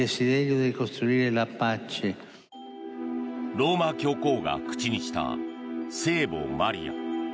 ローマ教皇が口にした聖母マリア。